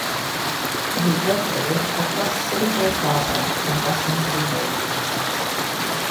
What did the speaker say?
It is located across City Hall Plaza from Boston City Hall.